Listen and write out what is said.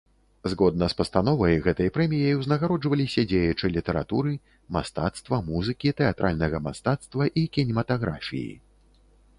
Згодна з пастановай, гэтай прэміяй узнагароджваліся дзеячы літаратуры, мастацтва, музыкі, тэатральнага мастацтва і кінематаграфіі.